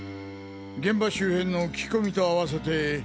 現場周辺の聞き込みとあわせて。